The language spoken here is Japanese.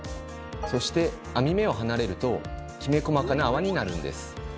そして網目を離れるときめ細かな泡になるんです。